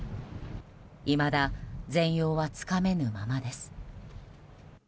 いまだ全容はつかめぬままです。